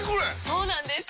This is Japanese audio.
そうなんです！